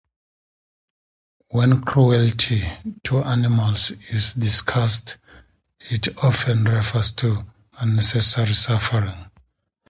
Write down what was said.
When cruelty to animals is discussed, it often refers to unnecessary suffering.